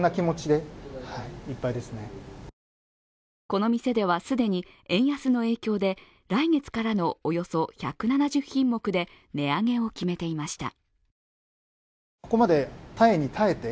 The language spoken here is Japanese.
この店では既に円安の影響で来月からのおよそ１７０品目で値上げを決めていました。